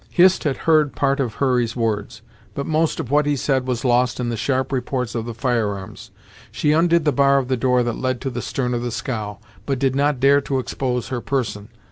Hist had heard part of Hurry's words, but most of what he said was lost in the sharp reports of the firearms. She undid the bar of the door that led to the stern of the scow, but did not dare to expose her person.